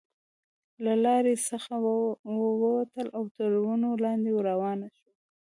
له لارې څخه وو وتلو او تر ونو لاندې روان شوو.